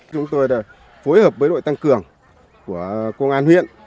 chúng tôi đã phối hợp với đội tăng cường của công an huyện